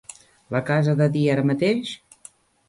La casa de Dee ara mateix?